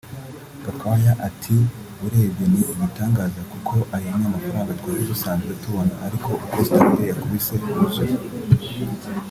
Gakwaya ati “Urebye ni igitangaza kuko aya ni amafaranga twari dusanzwe tubona ari uko stade yakubise yuzuye